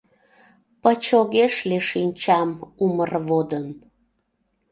Пыч огеш лий шинчам умыр водын.